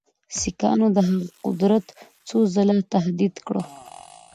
سیکهانو د هغه قدرت څو ځله تهدید کړ.